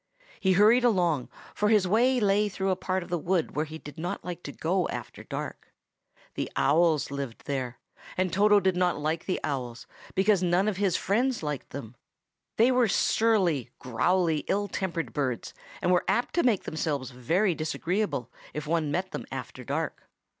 He hurried along, for his way lay through a part of the wood where he did not like to go after dark. The owls lived there, and Toto did not like the owls, because none of his friends liked them. They were surly, growly, ill tempered birds, and were apt to make themselves very disagreeable if one met them after dark.